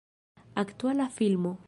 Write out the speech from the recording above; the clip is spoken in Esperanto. Aktuala filmo.